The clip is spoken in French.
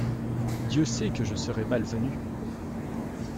Dieu sait que je serais mal venu …!